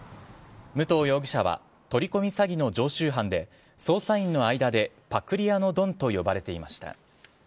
武藤容疑者は取り込み詐欺の常習犯で捜査員の間でパクリ屋のドンと呼ばれていました。